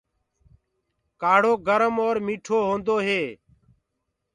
ڪآڙهو گرم اور ميِٺو هوندو هي۔